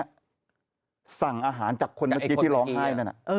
เมื่อการทำรทานจากคนเมื่อกี้ที่ร้องไห้